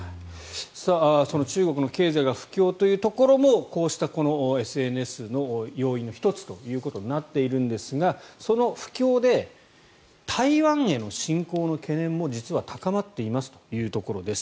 その中国の経済が不況というところもこうしたＳＮＳの要因の１つということになっているんですがその不況で台湾への進攻の懸念も実は高まっていますというところです。